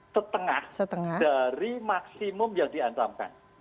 setengah dari maksimum yang diancamkan